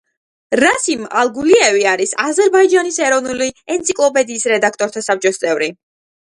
რასიმ ალგულიევი არის აზერბაიჯანის ეროვნული ენციკლოპედიის რედაქტორთა საბჭოს წევრი.